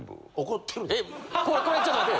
怒ってるで。